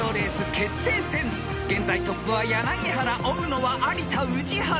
［現在トップは柳原追うのは有田宇治原］